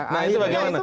nah itu bagaimana